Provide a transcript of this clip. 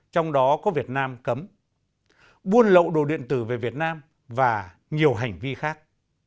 trong đó có việt nam cấm buôn lậu đồ điện tử về việt nam và nhiều hành vi khác